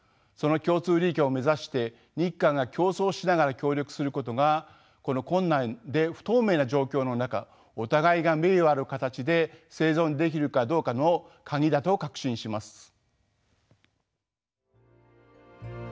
その共通利益を目指して日韓が競争しながら協力することがこの困難で不透明な状況の中お互いが名誉ある形で生存できるかどうかの鍵だと確信します。